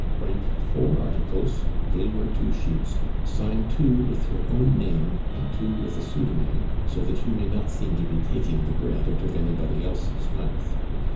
Write four articles, fill your two sheets, sign two with your own name, and two with a pseudonym, so that you may not seem to be taking the bread out of anybody else's mouth.